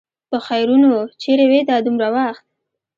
پخيرونو! چېرې وې دا دومره وخت؟